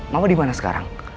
mama dimana sekarang